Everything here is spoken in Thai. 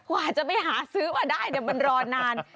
กว่าจะไปหาซื้อมาได้เดี๋ยวมันรอนาน